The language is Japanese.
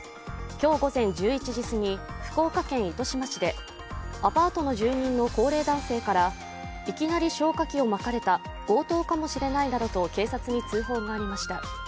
今日午前１１時過ぎ、福岡県糸島市でアパートの住人の高齢男性からいきなり消火器をまかれた強盗かもしれないなどと警察に通報がありました。